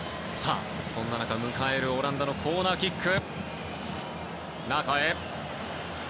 そんな中迎えるオランダのコーナーキック。